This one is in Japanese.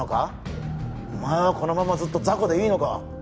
お前はこのままずっと雑魚でいいのか！？